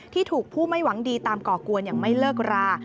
ที่ถูกผู้ไม่หวังดีตามก่อกวนอย่างไม่เลิกรา